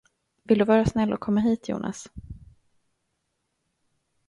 Vill du vara snäll och komma hit, Jonas?